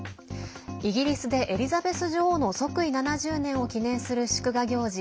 イギリスでエリザベス女王の即位７０年を記念する祝賀行事